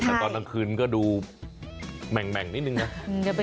แต่ตอนกลางคืนก็ดูแหม่งนิดนึงนะ